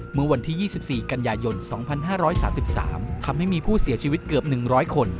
เมื่อวันที่๒๔กันยายน๒๕๓๓ทำให้มีผู้เสียชีวิตเกือบ๑๐๐คน